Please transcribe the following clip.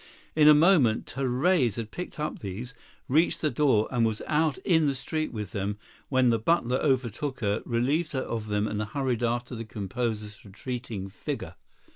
In a moment Therese had picked up these, reached the door and was out in the street with them, when the butler overtook her, relieved her of them and hurried after the composer's retreating figure.